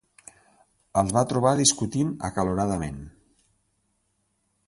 Els va trobar discutint acaloradament.